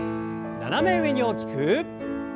斜め上に大きく。